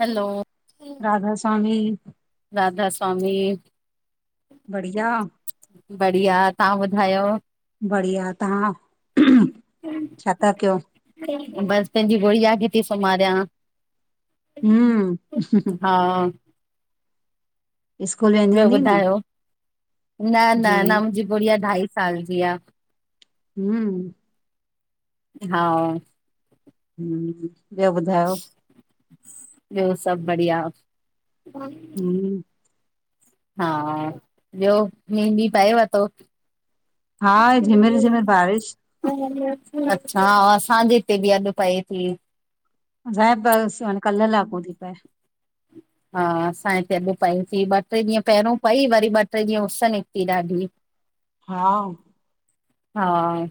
हलो, राधा स्वामी! राधा स्वामी! बढिया? बढ़िया तव्हां ॿुधायो बढ़िया, तहां अह्म्म्म्म, छाता कियो? बस, पंहिंजी गुड़ीया खे ती सुमारियां। हम्म, हा। स्कूल वेंदी ॿियो हूंदी न? ॿुधायो न न जी, न मुंहिंजी गुड़िया ढाई साल जी आहे। हम हा हह मम ॿियो ॿुधायो? ॿियो सभु बढ़िया। हम्म, हा ॿियो मीं बि पए वे तों? हा झिमिर झिमिर बारिश [unintelligible] [unintelligible] अच्छा असांजे हिते बि अॼु पए थी। [unintelligible] कल्ह लाखों थी पए। हा असां हिते अॼु पईसीं ॿ टे ॾींहं पहिरियों पई वरी ॿ टे ॾींहं उस निकिती ॾाढी। हा हा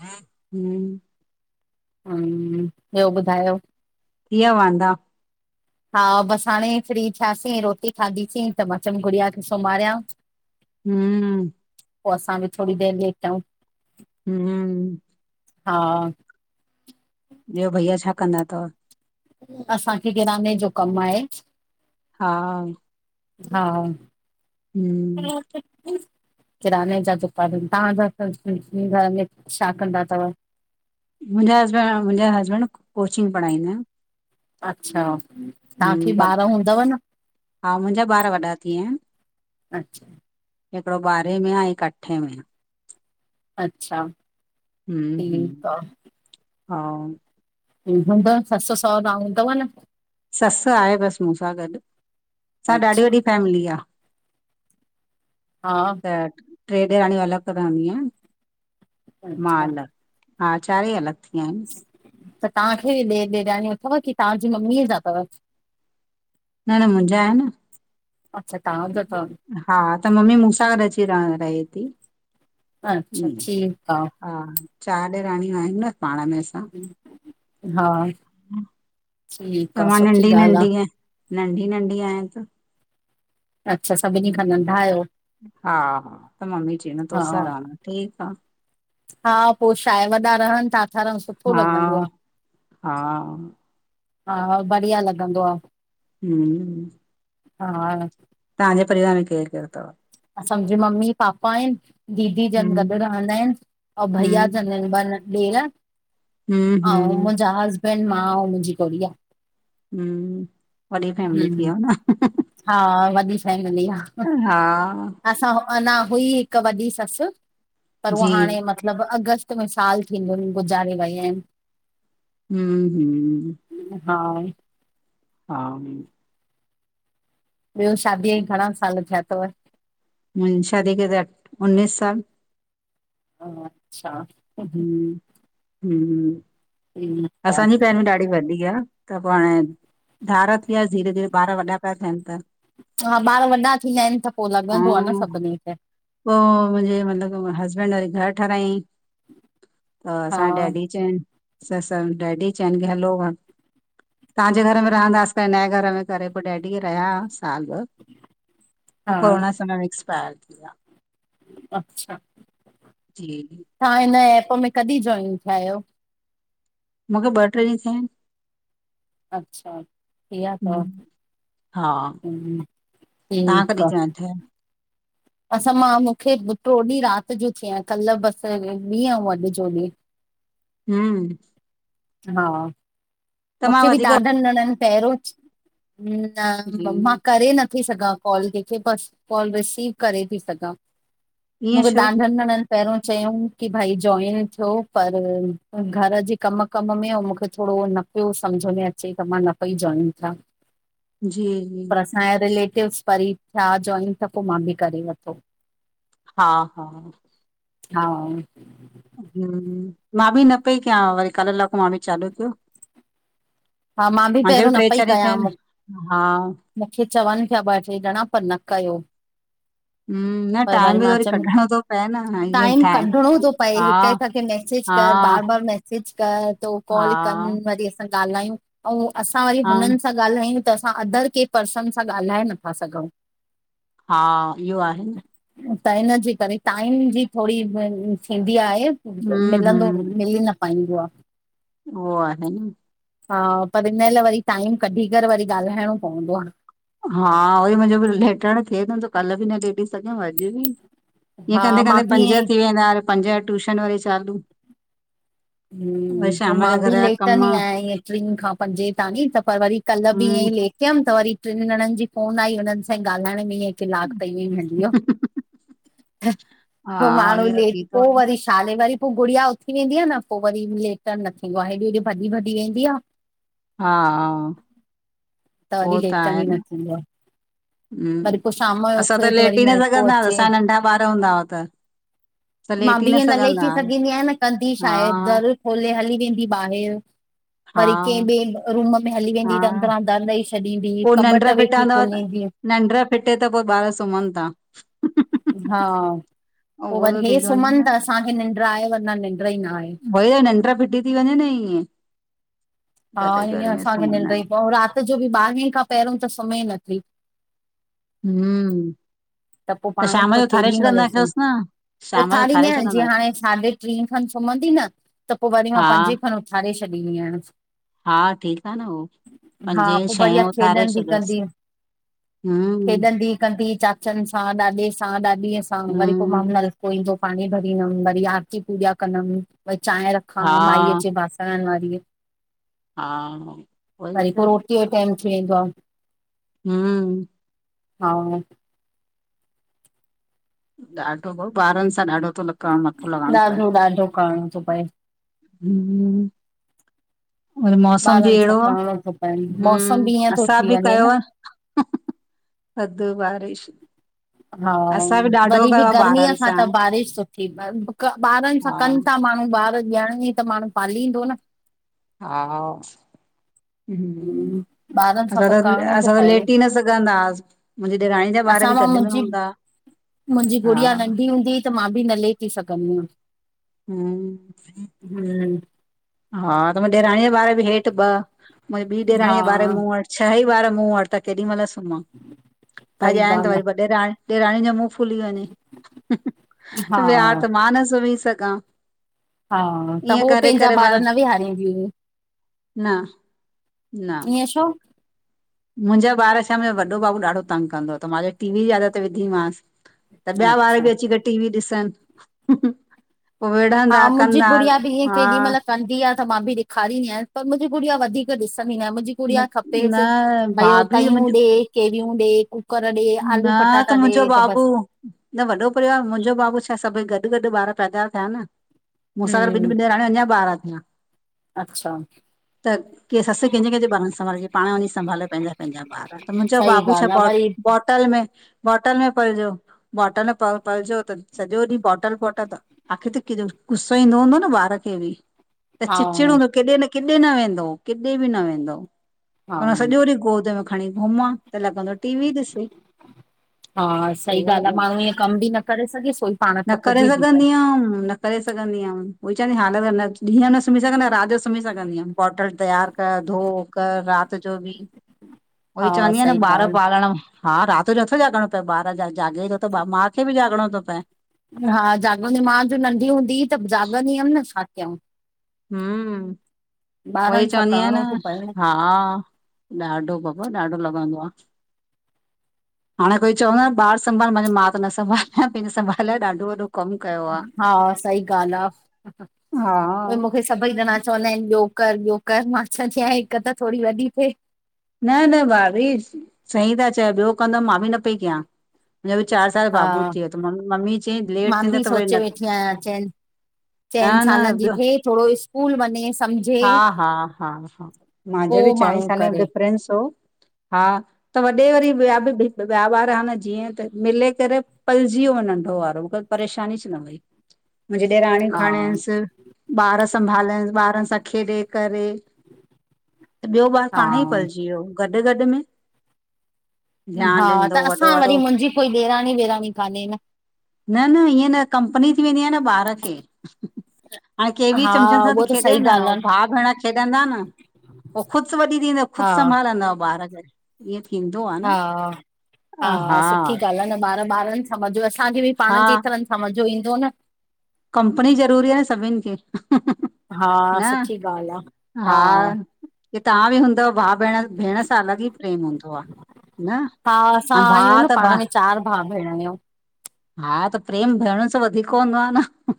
हम हम ॿियो ॿुधायो? थी वयों वांदा? हा बस हाणे फ्री थियासीं रोटी खाधीसीं त म चम गुड़िया खे सुम्हारियां। हम पोइ असां बि थोरी देरि लेटउ। हम हा ॿियो भईया छा कंदा अथव? असांखे किराने जो कम आहे। हा हा हम्म, किराने जा दुकान आएन, तव्हांजा घर में छा कंदा अथव? मुंहिंजा हस्बैंड मुंहिंजा हस्बैंड कोचिंग पढ़ाईंदा आहिनि। अच्छा तव्हांखे ॿार हूंदव न हा मुंहिंजा ॿार वॾा थी विया आहिनि। अच्छा हिकिड़ो ॿारहें में आ हिक अठे में आहे। अच्छा ह ह ठीकु आ हा हुंदव न सस सोंअरा हंदव न? ससु आहे बसि मूंस सां गॾु असां ॾाढी अच्छा वॾी फैमिली आहे। हा त ट्रेडेराणी अलॻि रहंदी आहे मा अच्छा अलॻ - - हा चार ई अलॻ थी विया आहिन। त तव्हांखे बि ॾे बिरयान अथव की तव्हांजी मम्मीअ जा अथव। न न मुंहिंजा आहे न। अच्छा तव्हां ज तव। हा त मम्मी मूंसां गॾ अची रहण रहे थी। अच्छा ईअं ठीक आ। हा चारि ॼराणियूं आहियू न पाण में। हा ठीक त आहे मां सुठी नंढी ॻाल्ह आ। नंढी आहियां नंढी नंढी आय त - - अच्छा स - - हा हा त मम्मी चयई हा तोसा रहंदम ठीक आ। हा पो छाए, वॾा रहन था, ठारणु सुठो हा लॻंदो आ। हा हा हा बढ़िया लॻंदो आ। हम्म हा तव्हांजेे परिवार में केर केर थव? अ सम्झ मम्मी पापा आहिन, दीदी जन हम्म गॾु रहंदा आहिन, अं भइया हम्म जन ॾेर हम्म अंउ हम्म मुंजा हसबैंड, मां अंउ मुंजी गुड़िया। हम्म, वॾी फैमिल थी हम्म वयव न। हा, वॾी फैमिली आ। हा असां अंञा हुई हिक वॾी ससु, पर उअ जी हाणे मतलब मतलब अगस्त में साल थींदुन, गुज़ारे वई आहिन। हम्म हम्म - - हा हा ॿियो शादीअ खे घणा साल थिया थव? मुंजी शादीअ खे त उन्नीस साल। अच्छा! हम्म- हम्म हम्म असांजी फैमिली बि ॾाढी वडी आ। त पोइ हाणे धार थी विया सीं, धीरे- धीरे ॿार वॾा पिया थियन त। हा ॿार वॾा थींदा आहिन त पो हा लॻंदो आ न सभिन खे। पो मुंजे मतलब हसबैंड वरी घर ठारायंई। त हा असांज डैडी चंअन त डैडी चयन कि हलो तव्हांजे घर में रहंदास त पो नये घर में करे पो डैडी रहिया साल-ॿ हा उ कोरोना समय एक्सपायर थी व्या। अच्छा! जी तां हिन एप में कॾहिं जॉइन थिया आयो? मूंखे ॿ ट्रे ॾींहं थिया आहिन। अच्छा इं अथव हम्म, - - हा। तव्हां ठीकु कॾहिं आहे जाइन थिया? असां मां मूंखे टयो ॾींहुं रात जो थि आयां, कल बसि ॾींहुं ऐं अॼु जो ॾींहुं। हम्म - - हा - - त मां मूंखे बि वधीक ॾाढा ॼंणन पहिरियों, जी पर मां करे नथी सघां। कॉल कंहिंखे, बस कॉल रिसीव करे थी सघां, ईअं मूंखे छो ॾाडन ॼंणन पहिरियों चयंउं कि भई जॉइन थियो, पर घर जे कम कम में ऐं मूंखे थोड़ो न - - उो सम्झ में अचे त मां न पई जाइन थियां। जी जी पर असांजा रिलेटिव्स परींय थिया जॉइन त पोइ मां बि करे वरतो। हा हा हा हूँ, मां बि न पई कयां, वरी कल लाको मां बि चालू कयो। हा मां मांजा बि पहिरियों ट्रे चार हिते आहिन, हा मुखे चवनि पिया ॿ ट्रे ॼंणा, पर न कयो। हम्म न पर वरी टाइम बि मां च्युम, कढणो थो पए न ईअं टाईम ठाहे कढिणों तो पए हा हिक- हिक खे मैसेज हा कर बार -बार मैसज सेज कर त हो कॉल कन हा वरी असां ॻाल्हायूं, अंउं असां वरी हम हुननि सां ॻाल्हायूं, त असां अदर केंह पर्सन सां ॻाल्हाए नथा सघंउं। हा इह्यो आहे न त इन्हजे करे, टाईम जी थोड़ी थींदी आहे हम्म मिलंदो, हम्म मिली न पाईंदो आ। उहो, आहे न हा, पर हिन लाए वरी टाइम कढी करे वरी ॻाल्हाइणो पवंदो आ। हा उहोई मुंजो बि लेटण थिए न थो त कल्ह बि न लेटी सघियम अॼु बि इअं हा कंदे मां -कंदे बि पंज ईअं थी वेंदा, अरे पंज ट्य़ुशन वरी चालू वरी हू, हो शाम मां जा घर बि जा कम लेटंदी आहियां, इअं ट्रीं खां पंजे तांणी त पर वरी कल्ह बि ईअं हम्म ई लेट टियमि त वरी टिनि ॼणनि जी फोन आई हुननि सां ई ॻाल्हाइण में ईंअंई किलाक त इंयेंई हली वियो, पो हा माण्हू इहो लेट थी थो पो वञे वरी छ छा ले वरी पो गुड़िया उथी वेंदी आ न पो वरी लेटड़ न थींदो आ, हेॾे- होॾे भॼी -भॼी वेंदी आ हा। त वरी लेटड़ ही न थींदो आ। वरी हम्म पो शाम जो असां उथु त वरी लेटी न नलको सघंदा हुआसीं अचे असांजा नंढा ॿार हूंदा हुआ त असां मां लेटी बि ईंयं न सघंदा लेटी हुआसीं सघिंदी आहियां, न कंदी छा हा हे दर खोले हली वेंदी ॿाहिरि। हा वरी कंहिं ॿिए रूम में हली वेंदी, हा त अंदरां दर ॾेई छॾींदी कॿट वेठी खोलींदी निंड्र फिटे त पो ॿार सुम्हनि ता। हा, पो वरी त हे थी थो वञे सुमन न अस असांखे निंड्र आहे, वरना निंड्र ई ना हे। होई या निंड्र फिटी ती वंञें न ईयें। हा ईअं असांखे सुम्हंदा निंड्र ई आहिनि कोन, अंउं रात जो बि ॿारहें खां पहिरियों त सुम्हे नथी हम्म त पो पांण, शाम पो जो ठाहे केॾीमल सुम, छॾंदासि न शाम जो उथारींदी ठाहे आहियां जीअं छॾंदा हाणे साढे ट्रीं खन सुम्हंदी न, त पो वरी मां हा पंजे खनि उथारे छॾींदी आहियांसि। हा ठीकु आ न हो हा, पो बढ़िया खेॾंदी कंदी। हम्म खेॾंदी कंदी चाचनि सां, ॾाॾे सां, ॾाॾीअ सां वरी पो हम्म मामनल को ईंदो पांणी भरींदमि, वरी आरती पूजा कंदमि, वरी चांय रख खां, हा माई अचे बासंणन वारी हीय हा। वरी पो त रोटीअ यो टाइम थी वेंदो आ। हम्म हा। ॾाढो भाऊ ॿारनि सां ॾाढो तो म़थो हण मथो लॻाएणों पए। ॾाढो ॾाढो करिणो थो पए हम्म वरी मौसम बि ॿारनि सां अहिड़ो आ करिणो थो पए मौसम बि हम्म ईअं थो असां थी बि वञे कयो न आ थद्ध बारिश हा। असां ॾाढो वरी बि कयो आहे गर्मीअ ॿारनि सां त बारिश सुठी, ॿ क ॿारनि सां हा कनि ता माण्हूं ॿार ॾियण ई त माण्हू पालींदो न। हा, ॿारनि सां असां त, करिणो थो असां त पए लेटी न सघंदा हास। मुंजी ॾेराणी जा ॿार बि गॾु में हूंदा। मुंजी हा गुड़िया नंढी हूंदी हुई त मां बि न लेटी सघंदी हमि। हूं, हूं, हा त मुंजे ॾेराणीअ जा बार बि हेठि ॿ मुंहिंजी ॿी हा ॾेराणीअ जा बार मूं वट। छह ई ब वार मुं वट त केॾी महिल सुम्हां अॼ सही आएन त ॻाल्हि वरी आहे ब ॾेराणी ॾेराणी जो मूं फूली वञे, हा विहार त मां न सुम्ही सघां। हा, त ईअं उ करे पें जा करे बार मां न वेहारींदी हुई, न न ईअ छो? मुंहिंजा ॿार छा मुंहिंजो वॾो बाबू ॾाढो तंग कंदो हो त मां चयो टीवी जी आदत विधी मास। त ॿिया वार बि अच्छा अची करे टीवी ॾिसनि। पो विढ़ंदा हा मुंहिंजी कंदा, गुड़िया बि ईअं हा। केॾी महिल कंदी आ, त मां बि ॾेखारींदीयां पर मुंहिंजी गुड़िया वधीक ॾिसंदी न आए मुंहिंजी न पुड़िया न खपेसि भई भाभी तयूं ॾे मुंहिंजो केवियूं ॾे कु कुूकर ॾे, न आलू पटाटा मुंहिंजो ॾे त बाबू बस। न वॾो परिवार मुंहिंजो बाबू छा सभई गॾु गॾु ॿार पैदा थिया न। मूंसां गॾ ॿिन हम्म बिन डेराणी अञा ॿार तियां। अच्छा। त, के ससु कंहिंजे कंहिंजे ॿारन खे संभालेजे पाण वञी संभाले पंहिंजा पंहिंजा ॿार त मुंहिंजो सही बाबू छा ॻाल्हि आहे पाट वरी बॉटल में, बॉटल में पलजो बॉटल प पलजो त सॼो ॾींहं बॉटल बॉटल। आख़िर त केजो गुसो ईंदो हूंदो न ॿार खे बि। त हा चिचिड़ो हूंदो केॾे न किडे न वेंदो किॾे बि न वेंदो। हा हुन सॼो ॾींह गोद में खणी घुमां त लॻंदो टीवी ॾिसे। हा सही ॻाल्हि आ पोइ माण्हू ईअं कम बि न करे सघे सोई पाण न करे थकिजी थी सघंदी पए। हुयमि न करे सघंदी आ उई चवंदी हाल ॾींहं न सुम्ही सघंदा रात सुम्ही सघंदी आ बॉटल तयार कर धो कर रात जो बि उएई हा चवंदी आ सही न ॿार ॻाल्हि पालण हा राति जो नथो जाॻणो पए ॿार जा जाॻे थो माउ खे बि जाॻणो थो पए। हा जाॻंदी मां मुंहिंज जो नंढी हूंदी त जाॻंदी हुअमि न छा कयूं। हूं उई ॿारनि सां चवंदी आयां न करिणो थो पए न हा। हा, ॾाढो बाबा ॾाढो लॻंदो आ। हाणे कोई चवंदो न ॿार संभाल मां चयो मां त न संभालां पंहिंजे संभाल लाइ ॾाढो वॾो कम कयो। आ हा सही ॻाल्ह हा आ, मूंखे। सभई ॼणा चवंदा आहिनि ॿियो कर ॿियो कर मां चवदी आं हिक त थोरी वॾी थे। न न, भाभी सही ता चयो ॿियो कंदमि मां बि न पई कयां। मुंहिंजो बि चारि साल हा बाबू थी वियो त म मम्मी चई लेट मां थींदो बि त वरी सोचे न वेठी आहियां चइनि न चइनि सालनि जी न, थिए थोरो स्कूल वञे सम्झे हा हा हा हा। मांजे बि पोइ चई माण्हू साल जो करे डिफरेंस हो हा। त वॾे वरी ॿिया बि ॿिया ॿार हा न जीअं त मिले करे पलजी वियो नंढो वारो। परेशानी च न वई। मुंहिंजी ॾेराणियूं हा खणेयसि, ॿार संभालनि ॿारनि सां खेॾे करे त ॿियो ॿारु हा पाणे ई पलजी वियो गॾिगॾि में हा! ध्यानु ॾींदो त असां वॾो वरी वारो मुंहिंजी कोई ॾेराणी वेराणी कान्हे न। न, न इअं न कंपनी थी वेंदी आ न ॿारु खे। हाण केवी हा चमचनि सां ती उहो त खेॾे सही न, ॻाल्हि हू आहे भाउ-भेण खेॾंदा न, हो ख़ुदिसि वॾी थी त ख़ुदि हा संभालंदव ॿारु खे। ईअं थींदो आ न हा अ हा ॿारु ॿारनि सां मज़ो, असांखे बि हा पाण जेतिरनि सां मज़ो ईंदो न। कंपनी ज़रूरी आये सभिन खे। हा न सुठी ॻाल्हि हा की त्हां बि हूंदव भाउ-भेण, भेण सां अलॻि ई प्रेम हूंदो आ। न हा! असां आहियूं भाउ न त भा पाण में चारि भा-भेण आहियूं। हा! त प्रेम भेणुन सां वधीक हूंदो आ न। हं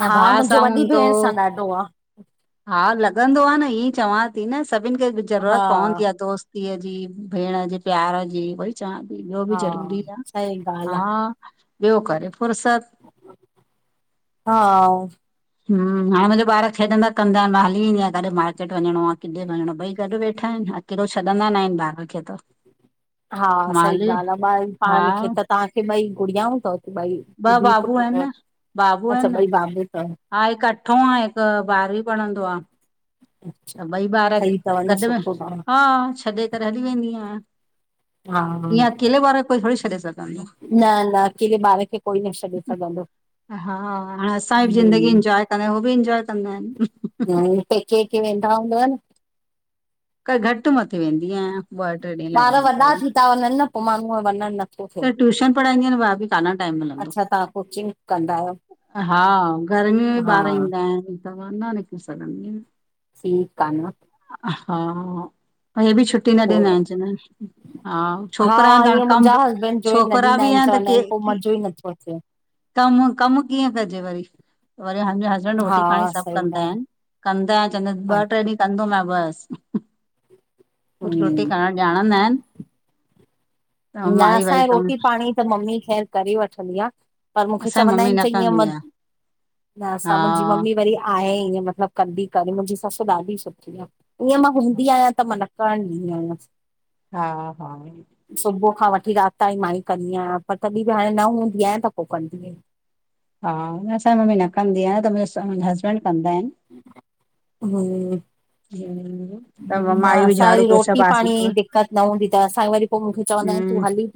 या हा भा सा मुंहिंजो वॾी हूंदो। भेण सां ॾाढो आ। हा लॻिंदो आ न हिअं चवां ती न सभिन खे हा ज़रूरत पोंवंदी आ दोस्त पीअ जी, भेण जे प्यार जी, भई चवां ती ॿियो बि हा ज़रूरी आ। सही ॻाल्हि आ ॿियो करे फुरसत हाउ हम्म! हाणे मुहिंजा ॿारु खेॾंदा कंदा। मां हली ईंदी आहियां काॾे मार्केट वञिणो आ, किॾे वञिणो ॿई गॾु वेठा आहिन ह हेॾो छॾिंदा न आहिन ॿारु खे त हा! मां सई हली ॻाल्हि आ ॿाइर हा पाण में खेत तांखे ॿई घुड़ियाऊं तव ॿई? हे ॿ बाबू धी-पुट्र आहिनि तव? न बाबू अच्छा आहिनि न ॿई भा-भेण तव। हा हिकु अठो आए, हिकु बारवी पढिंणंदो आ। त ॿई ॿारु सही अथव गॾु न इन सुठो अथव हा छॾे करे हली वेंदी आहिया, हा न ईअं अकेले ॿारु कोई थोड़ी छॾे सघ न अकेले ॿार खे कोई न छॾे [unintelligible] सघंदो। हा हाण असां जिंदगी हम्म इंजॉयं कंदा आयुं, हो बि इंजॉय कंदा आहिन हं न, पेके-वेके वेंदा हूंदव न? क घटि मथे वेंदी आहियां। ॿ टे ॾींहं लाइ ॿारु वयमि त वॾा वरी थी ता वंञनि न। पो माण्हूं वंञनि न त ट्यूशन पढ़ाईंदी आयां त भाभी काॾा टाइम मिलंदो। अच्छा तां कोचिंग कंदा आहियो हा गर्मियूंन में हा ॿारु ईंदा आहिनि त न मा निकिरी सॻिंदी अयां। ठीकु आ न हा, कल बि छुट्टी न पोइ ॾिननसि। हिननि हा हा छोकिरा अनि त हाणे ईअं कमु मुंहिंजा हसबैंड जोइन न छोकिरा ॾींदा बि आहिनि आहिन त चवंदा के आहिनि पोइ कि मज़ो ई नथो अचे कमु, कमु कीअं कजे वरी, वरी हंद-हद र हा रोटी पाणी सभु सही कंदा ॻाल्हि आहिनि, कंदा आहिन चवंदा इन आहे ॿ ट्रे ॾींहुं कंदो नाये बसि पुट्र रोटी हम्म करुण ॼाणंद इन न वाई असांजे कमु रोटी पाणी त मम्मी ख़ैरु करे वठंदी आ। पर मूखे असांजी चवंदा मम्मी आहिनि न चइंदी। अयां कंदी म आ न असां मुंहिंजी मम्मी वरी आहे ईअं मतिलबु कंदी करे। मुंहिंजी ससु ॾाढी सुठी आ, ईअं मां हूंदी आहिया त मना कान डिंदी आहियासि हा, हा सुबुह खां वठी राति ताईं मां ई कंदी आहियां, पर तॾी बि हाणे न हूंदी आहियां त पो कंदीयूं इन। हा न असांजी मम्मी न कंदी आ, न त मुहिसां मुहिंजा हसबैंड कंदा आहिनि। हूं हम्म त न, माई बि असांखे झाड़ू वरी पोछा रोटी बासण पाणींअ कर जी दिक्कत न हूंदी तव, असांखे वरी पो, मूखे चवंदा एन तूं हम्म हाली